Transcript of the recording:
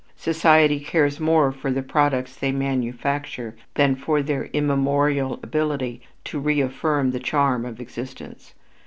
Society cares more for the products they manufacture than for their immemorial ability to reaffirm the charm of existence.